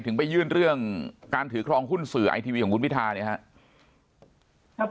ไปยื่นเรื่องการถือครองหุ้นสื่อไอทีวีของคุณพิธาเนี่ยครับ